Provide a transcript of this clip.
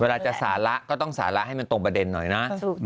เวลาจะสาระก็ต้องสาระให้มันตรงประเด็นหน่อยนะ